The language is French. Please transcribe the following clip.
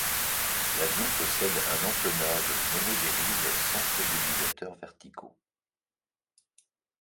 L'avion possède un empennage monodérive sans stabilisateurs verticaux.